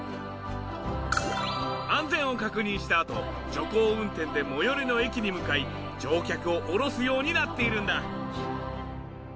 安全を確認したあと徐行運転で最寄りの駅に向かい乗客を降ろすようになっているんだ。